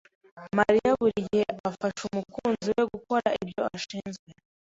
Mariya buri gihe afasha umukunzi we gukora ibyo ashinzwe.